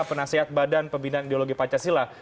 penasihat badan pembinaan ideologi pancasila